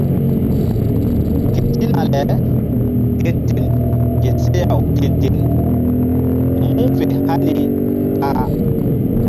Ketina le ku ten ke seh-aw te-ten mu̧h fe hani ta-a.